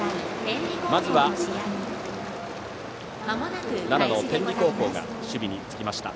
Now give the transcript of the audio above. まずは奈良の天理が守備につきました。